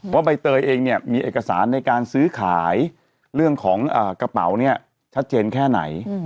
ใบเตยเองเนี่ยมีเอกสารในการซื้อขายเรื่องของกระเป๋าเนี่ยชัดเจนแค่ไหน